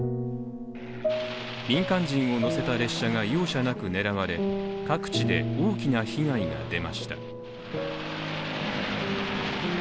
民間人を乗せた列車が容赦なく狙われ各地で大きな被害が出ました。